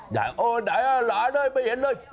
หน่ายล้านให้ไม่เห็นเลย